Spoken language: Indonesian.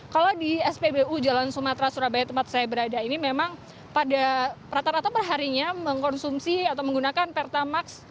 kalau di spbu jalan sumatera surabaya tempat saya berada ini memang pada rata rata perharinya mengkonsumsi atau menggunakan pertamax